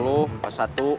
buat video yuk